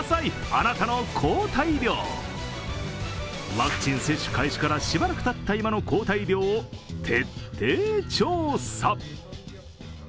ワクチン接種開始からしばらくたった今の抗体量を徹底調査。